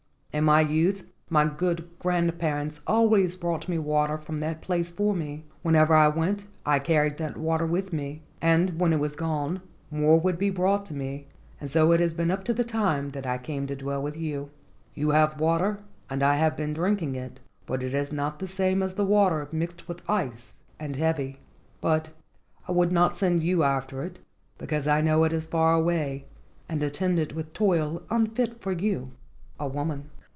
In my youth my good grand¬ parents always brought water from that place for me. Wherever I went I carried that water with me, and when it was gone more would be brought to me, and so it has been up to the time that I came to dwell with you. You have water and I have been drinking it, but it is not the same as the water mixed with ice, and heavy. But I would not send you after it, because I know it is far away and attended with toil unfit for you, a woman."